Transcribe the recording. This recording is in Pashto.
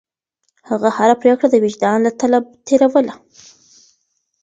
هغه هره پرېکړه د وجدان له تله تېروله.